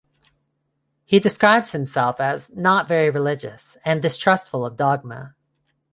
He describes himself as not very religious and distrustful of dogma.